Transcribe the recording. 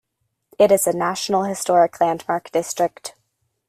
It is a National Historic Landmark District.